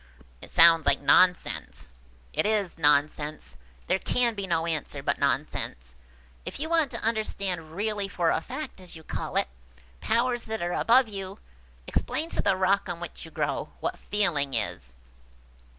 "It sounds like nonsense." "It is nonsense. There can be no answer but nonsense, if you want to understand 'really for a fact,' as you call it, powers that are above you. Explain to the rock on which you grow, what feeling is!"